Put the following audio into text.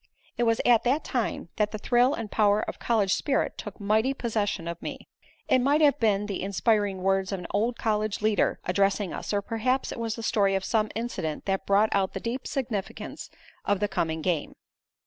It was at that time that the thrill and power of college spirit took mighty possession of me. It might have been the inspiring words of an old college leader addressing us, or perhaps it was the story of some incident that brought out the deep significance of the coming game.